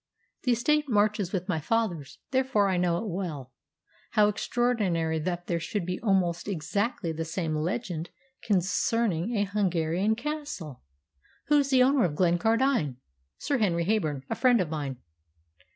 "The estate marches with my father's, therefore I know it well. How extraordinary that there should be almost exactly the same legend concerning a Hungarian castle!" "Who is the owner of Glencardine?" "Sir Henry Heyburn, a friend of mine."